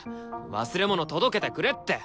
忘れ物届けてくれって。